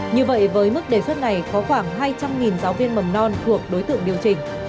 như vậy với mức đề xuất này có khoảng hai trăm linh giáo viên mầm non thuộc đối tượng điều chỉnh